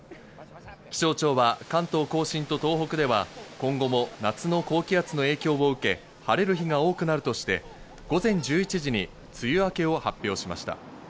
気象庁は関東甲信と東北では今後も夏の高気圧の影響を受け、晴れる日が多くなるとして午前１１時に梅雨明けを発表しました。